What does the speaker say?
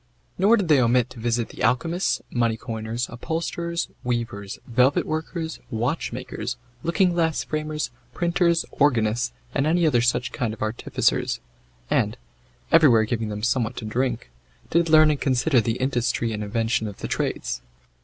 Nor did they omit to visit the alchemists, money coiners, upholsterers, weavers, velvet workers, watchmakers, looking glass framers, printers, organists, and other such kind of artificers, and, everywhere giving them somewhat to drink, did learn and consider the industry and invention of the trades.